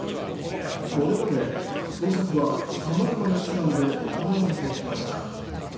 これまで捜索はさまざまな手段で行われてきました。